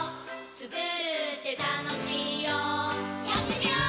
つくるってたのしいよやってみよー！